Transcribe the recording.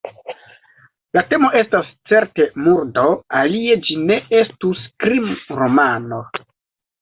La temo estas, certe, murdo – alie ĝi ne estus krimromano.